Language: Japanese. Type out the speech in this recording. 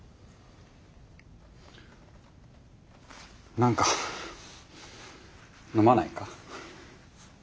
何か飲まないか？